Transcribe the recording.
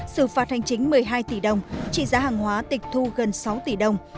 xử phạt hành chính một mươi hai tỷ đồng trị giá hàng hóa tịch thu gần sáu tỷ đồng